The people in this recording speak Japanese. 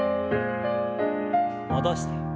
戻して。